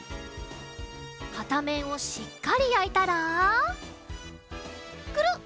かためんをしっかりやいたらくるっ！